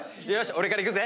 俺からいくぜ。